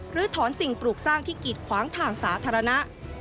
หรือถอนสิ่งปลูกสร้างที่กิดขวางทางสาธารณะ